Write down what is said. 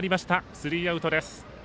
スリーアウトです。